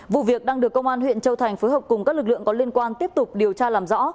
vụ việc đang được công an huyện châu thành phối hợp cùng các lực lượng có liên quan tiếp tục điều tra làm rõ